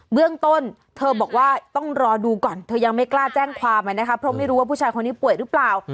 เรื่องต้นเธอบอกว่าต้องรอดูก่อนเธอยังไม่กล้าแจ้งความนะคะเพราะไม่รู้ว่าผู้ชายคนนี้ป่วยหรือเปล่า